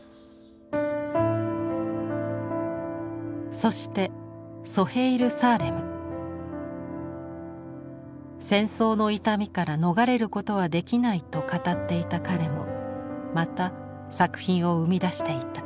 そして戦争の痛みから逃れることはできないと語っていた彼もまた作品を生み出していた。